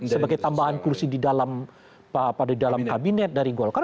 sebagai tambahan kursi di dalam kabinet dari golkar